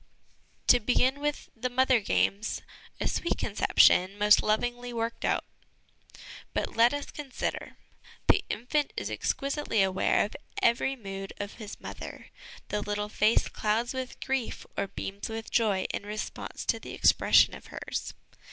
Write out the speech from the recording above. To begin with the ' Mother games/ a sweet conception, most lovingly worked out. But let us consider; the infant is exquisitely aware of every mood of his mother, the little face clouds with grief or beams with joy in response to the expression of hers.